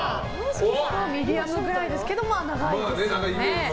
ミディアムぐらいですけど長いですよね。